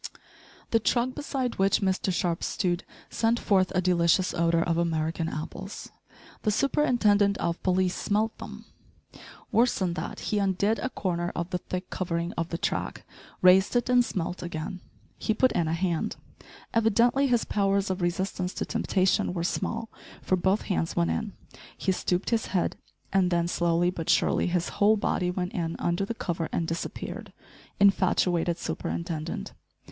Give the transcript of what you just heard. The truck beside which Mr Sharp stood sent forth a delicious odour of American apples. The superintendent of police smelt them. Worse than that he undid a corner of the thick covering of the track, raised it and smelt again he put in a hand. Evidently his powers of resistance to temptation were small, for both hands went in he stooped his head, and then, slowly but surely, his whole body went in under the cover and disappeared. Infatuated superintendent!